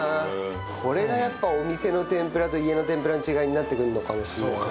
これがやっぱりお店の天ぷらと家の天ぷらの違いになってくるのかもしれないね。